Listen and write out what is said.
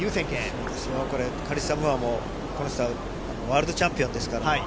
カリッサ・ムーアもワールドチャンピオンですから。